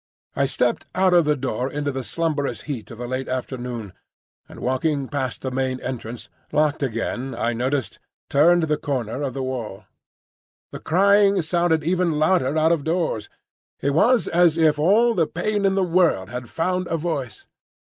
I stepped out of the door into the slumberous heat of the late afternoon, and walking past the main entrance—locked again, I noticed—turned the corner of the wall. The crying sounded even louder out of doors. It was as if all the pain in the world had found a voice.